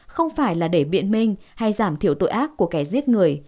không phải là để biện minh hay giảm thiểu tội ác của kẻ giết người